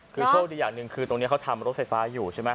คือโชคดีอย่างหนึ่งคือตรงนี้เขาทำรถไฟฟ้าอยู่ใช่ไหม